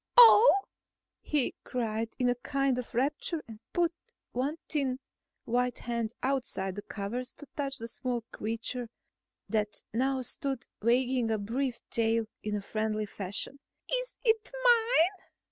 "Oh!" he cried in a kind of rapture and put one thin white hand outside the covers to touch the small creature that now stood wagging a brief tail in friendly fashion. "Is it mine?"